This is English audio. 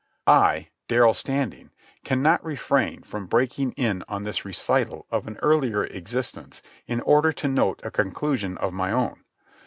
I, Darrell Standing, cannot refrain from breaking in on this recital of an earlier existence in order to note a conclusion of my own.